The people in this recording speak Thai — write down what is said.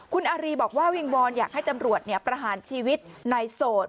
คุณอารีบอกว่าวิงวอนอยากให้ตำรวจประหารชีวิตในโสด